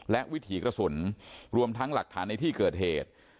และวิถีกระสุนรวมทั้งหลักฐานในที่เกิดเหตุ